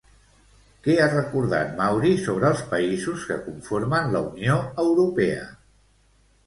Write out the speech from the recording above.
Què ha recordat Mauri sobre els països que conformen la Unió Europea?